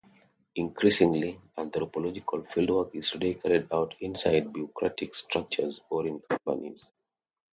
Increasingly, anthropological fieldwork is today carried out inside bureaucratic structures or in companies.